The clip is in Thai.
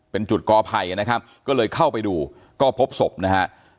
เป็นจุดกอภัยนะครับก็เลยเข้าไปดูก็พบศพนะฮะ